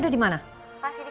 kok lampunya mati